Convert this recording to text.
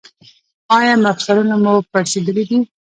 ایا مفصلونه مو پړسیدلي دي؟